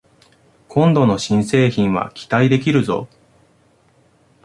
今度の新製品は期待できるぞ